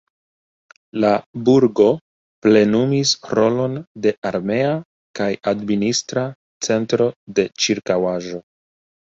La burgo plenumis rolon de armea kaj administra centro de ĉirkaŭaĵo.